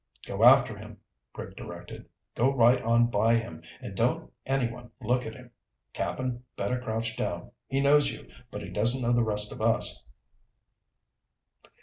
"Go after him," Rick directed. "Go right on by him and don't anyone look at him. Cap'n, better crouch down. He knows you, but he doesn't know the rest of us."